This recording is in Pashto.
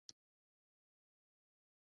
آیا دولت په اقتصاد کې لوی لاس نلري؟